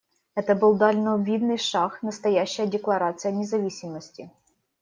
Это был дальновидный шаг, настоящая декларация независимости.